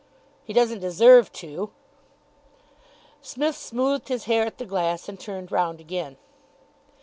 "He doesn't deserve to." Psmith smoothed his hair at the glass and turned round again.